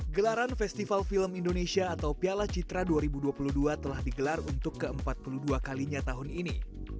gelaran festival film indonesia atau piala citra dua ribu dua puluh dua telah digelar untuk ke empat puluh dua kalinya tahun ini